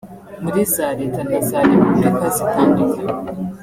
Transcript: muri za Leta na za Republika zitandukanye